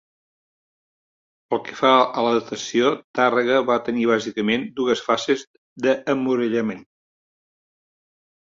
Pel que fa a la datació, Tàrrega va tenir bàsicament dues fases d'emmurallament.